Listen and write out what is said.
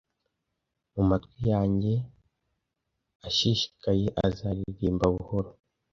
Mu matwi yanjye ashishikaye azaririmba buhoro.